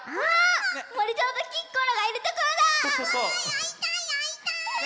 あいたいあいたい！